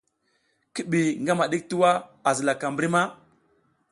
Ki ɓi ngama ɗik tuwa a zilaka mbri ma ?